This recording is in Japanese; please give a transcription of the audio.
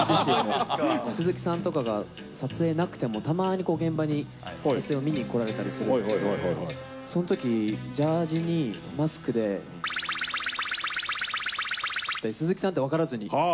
鈴木さんとかが、撮影なくても、たまに現場に撮影、見にこられたりするんですけど、そのとき、ジャージーにマスクで×××で、鈴木さんって分からずに。